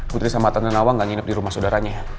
putri sama tante nawang nggak nginap di rumah saudaranya